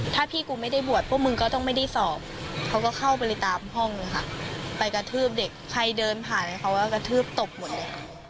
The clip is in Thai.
ถ้าพี่กูไม่ได้บวชพวกมึงก็ต้องไม่ได้สอบเขาก็เข้าไปตามห้องเลยค่ะไปกระทืบเด็กใครเดินผ่านเขาก็กระทืบตบหมดเลย